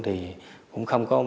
thì cũng không có